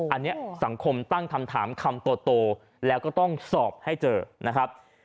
อันนี้สังคมตั้งคำถามคำโตแล้วก็ต้องสอบให้เจอนะครับ